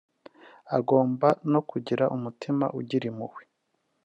Agomba no kugira umutima ugira impuhwe